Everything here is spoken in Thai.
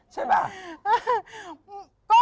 ใช่ป่ะ